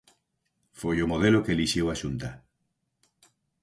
Foi o modelo que elixiu a Xunta.